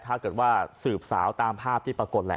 ถ้าเกิดว่าสืบสาวตามภาพที่ปรากฏแหละ